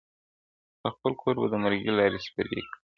پر خپل کور به د مرګي لاري سپرې کړي!